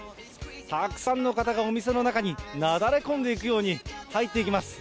たくさんの方がお店の中になだれ込んでいくように入っていきます。